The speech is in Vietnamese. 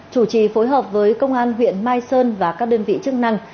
chủ trì phối hợp với công an huyện mai sơn và các đơn vị chức năng